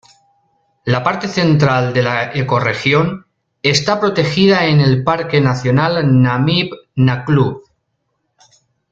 La parte central de la ecorregión está protegida en el Parque Nacional Namib-Naukluft.